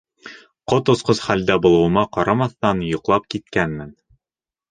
Ҡот осҡос хәлдә булыуыма ҡарамаҫтан, йоҡлап киткәнмен.